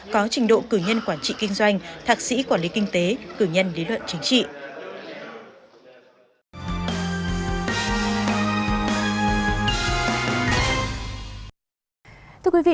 có trình độ cử nhân quản trị kinh doanh thạc sĩ quản lý kinh tế cử nhân lý luận chính trị